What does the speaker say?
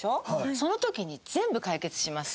その時に全部解決します。